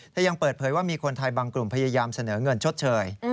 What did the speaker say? ยังเปิดเผยว่ามีคนไทยบางกลุ่มพยายามเสนอเงินชดเชย